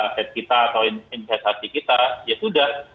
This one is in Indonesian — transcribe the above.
aset kita atau investasi kita ya sudah